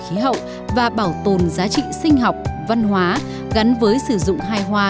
khí hậu và bảo tồn giá trị sinh học văn hóa gắn với sử dụng hài hòa